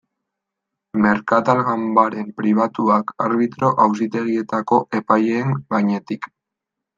Merkatal ganbaren pribatuak arbitro auzitegietako epaileen gainetik.